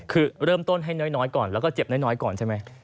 คือเริ่มต้นให้น้อยก่อนแล้วก็เจ็บน้อยก่อนใช่ไหม